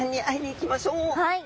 はい。